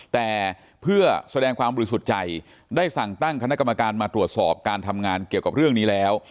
แต่เพื่อแสดงความบริสุทธิ์ใจได้สั่งตั้งคณะกรรมการมาตรวจสอบการทำงานเกี่ยวกับเรื่องนี้แล้ว